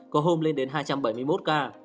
có hôm lên đến hai trăm bảy mươi một ca